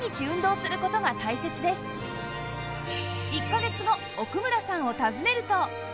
１カ月後奥村さんを訪ねると